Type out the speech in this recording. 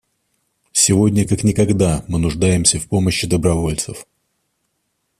Сегодня как никогда мы нуждаемся в помощи добровольцев.